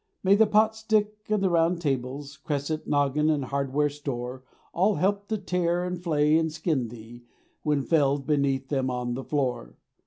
May the pot stick and the round tables, Cresset, noggin, and hardware store, All help to tear, and flay, and skin thee When fell'd beneath them on the floor.